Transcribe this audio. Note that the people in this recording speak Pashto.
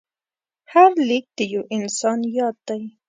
هر لیک د یو انسان یاد دی.